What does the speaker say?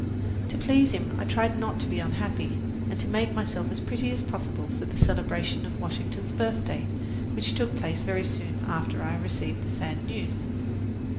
To please him I tried not to be unhappy, and to make myself as pretty as possible for the celebration of Washington's birthday, which took place very soon after I received the sad news.